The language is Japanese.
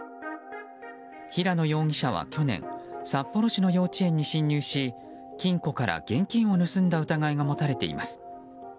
平野容疑者は去年札幌市の幼稚園に侵入し金庫から現金を盗んだ疑いが持たれています。